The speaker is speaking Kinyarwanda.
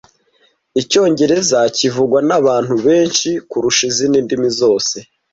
Icyongereza kivugwa nabantu benshi kurusha izindi ndimi zose.